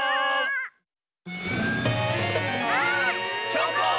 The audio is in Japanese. チョコン！